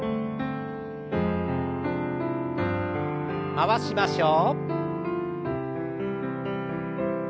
回しましょう。